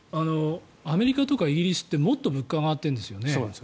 アメリカとかイギリスってもっと物価が上がってるんですよね。